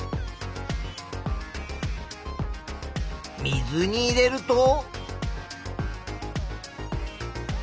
水に入れると。